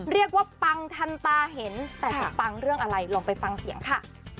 ปังทันตาเห็นแต่จะปังเรื่องอะไรลองไปฟังเสียงค่ะ